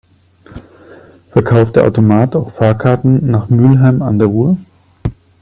Verkauft der Automat auch Fahrkarten nach Mülheim an der Ruhr?